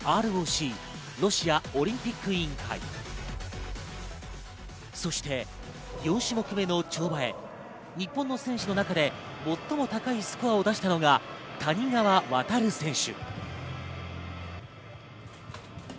トップはＲＯＣ＝ロシアオリンピック委員会、そして４種目めの跳馬へ日本の選手の中で最も高いスコアを出したのが谷川航選手。